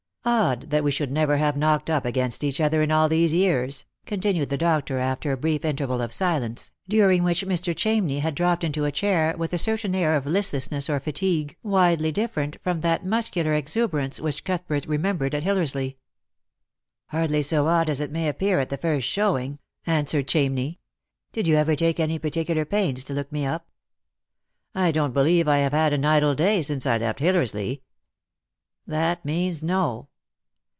" Odd, that we should never have knocked up against each other in all these years," continued the doctor after a brief interval of silence, during which Mr. Chamney had dropped into a chair, with a certain air of listlessness or fatigue, widely different from that muscular exuberance which Cuthbert remem bered at Hillersley. " Hardly so odd as it may appear at the first showing," answered Chamney. " Did you ever take any particular pains to look me up ?"" I don't believe I have had an idle day since I left Hillersley." "That means No.